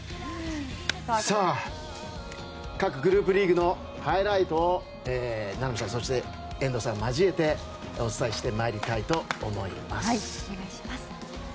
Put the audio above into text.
各グループリーグのハイライトを名波さん、遠藤さんを交えてお伝えしてまいりたいと思います。